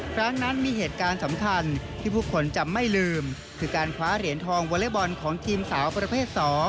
ครั้งนั้นมีเหตุการณ์สำคัญที่ผู้คนจะไม่ลืมคือการคว้าเหรียญทองวอเล็กบอลของทีมสาวประเภท๒